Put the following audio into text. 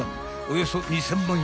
およそ２，０００万円］